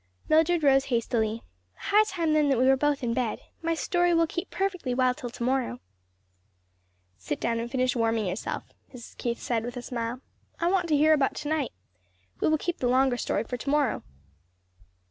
Mildred rose hastily. "High time then that we wore both in bed. My story will keep perfectly well till to morrow." "Sit down and finish warming yourself," Mrs. Keith said, with a smile. "I want to hear about to night. We will keep the longer story for to morrow."